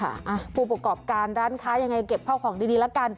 รับร้านค้ายังไงเก็บเผาของดีแล้วกัน